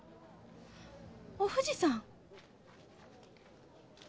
お藤さん